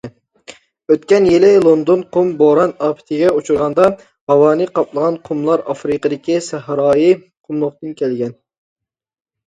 ئۆتكەن يىلى لوندون قۇم بوران ئاپىتىگە ئۇچرىغاندا، ھاۋانى قاپلىغان قۇملار ئافرىقىدىكى سەھرايى قۇملۇقىدىن كەلگەن.